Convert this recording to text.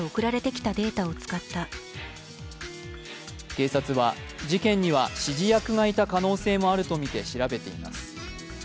警察は事件には指示役がいた可能性もあるとみて調べています。